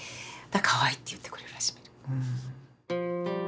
かわいいって言ってくれ始める。